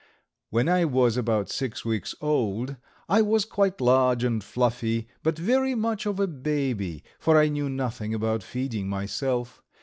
When I was about six weeks old I was quite large and fluffy, but very much of a baby, for I knew nothing about feeding myself.